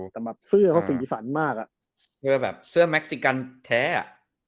แต่แบบเสื้อเขาสีสันมากอ่ะคือแบบเสื้อแม็กซิกันแท้อ่ะ